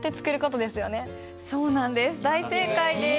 そうなんです。